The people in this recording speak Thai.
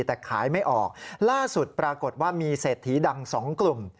แต่ขายไม่ออกล่าสุดปรากฏว่ามีเศรษฐีดังสองกลุ่ม